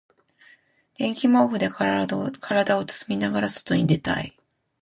電気毛布で体を包みながら外に出たい。